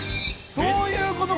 そういうことか。